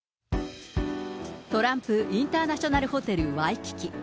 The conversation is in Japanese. トランプ・インターナショナル・ホテルワイキキ。